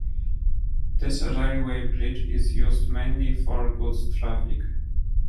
This railway bridge is used mainly for goods traffic.